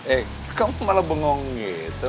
eh kamu malah bengong gitu